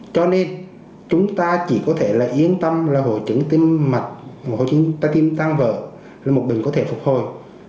cho nên chúng ta chỉ có thể yên tâm là hội chứng tim tan vỡ là một bệnh có thể phục hồi